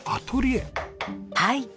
はい。